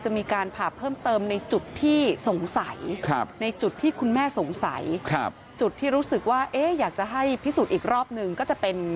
จะมีการผ่าเพิ่มเติมในจุดที่สงสัยในจุดที่คุณแม่สงสัยจุดที่รู้สึกว่าอยากจะให้พิสูจน์อีกรอบหนึ่งก็จะเป็น